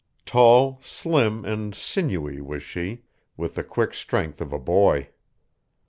Tall, slim, and sinewy was she, with the quick strength of a boy.